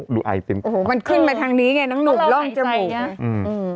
มันขึ้นมาทางดีไงน้องหนูเริ่มหล่มจมูก